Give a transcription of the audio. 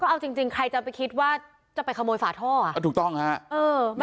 เอาจริงจริงใครจะไปคิดว่าจะไปขโมยฝาท่ออ่ะถูกต้องฮะเออ